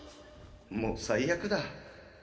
もう最悪だ